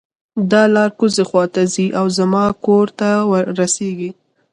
دا لار کوزۍ خوا ته ځي او زما کور ته رسیږي